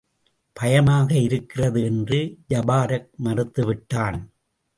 பயமாக இருக்கிறது என்று ஜபாரக் மறுத்துவிட்டான்.